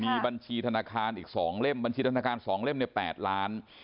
มีบัญชีธนาคารอีก๒เล่มบัญชีธนาคาร๒เล่มใน๘ล้าน